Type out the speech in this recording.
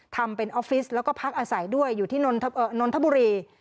ทำเป็นออฟฟิศแล้วก็พักอาศัยด้วยอยู่ที่นนทบุรี